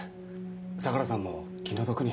相良さんも気の毒に。